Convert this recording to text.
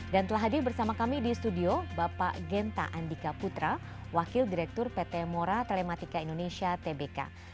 dan telah hadir bersama kami di studio bapak genta andika putra wakil direktur pt mora telematika indonesia tbk